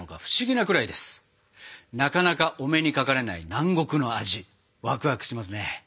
なかなかお目にかかれない南国の味わくわくしますね。